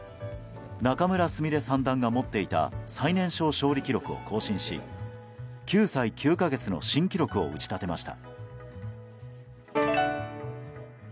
仲邑菫三段が持っていた最年少勝利記録を更新し９歳９か月の新記録を打ち立てました。